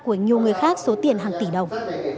của nhiều người khác số tiền hàng tỷ đồng